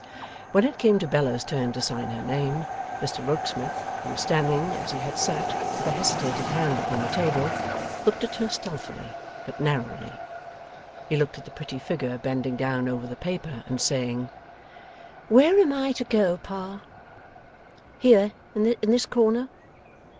When it came to Bella's turn to sign her name, Mr Rokesmith, who was standing, as he had sat, with a hesitating hand upon the table, looked at her stealthily, but narrowly. He looked at the pretty figure bending down over the paper and saying, 'Where am I to go, pa? Here, in this corner?